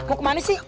mau kemana sih